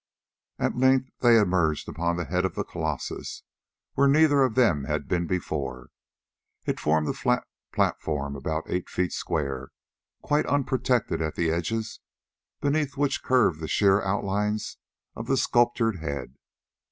At length they emerged upon the head of the colossus, where neither of them had been before. It formed a flat platform about eight feet square, quite unprotected at the edges, beneath which curved the sheer outlines of the sculptured head.